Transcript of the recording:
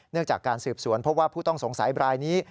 จากการสืบสวนเพราะว่าผู้ต้องสงสัยบรายนี้